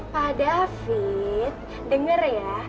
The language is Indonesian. pak david denger ya